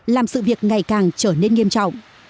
làm sự việc ngày càng trở nên nghiêm trọng